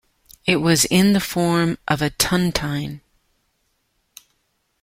It was in the form of a tontine.